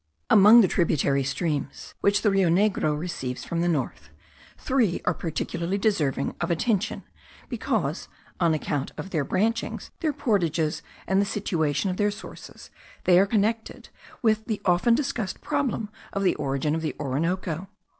Among the tributary streams which the Rio Negro receives from the north, three are particularly deserving of attention, because on account of their branchings, their portages, and the situation of their sources, they are connected with the often discussed problem of the origin of the Orinoco.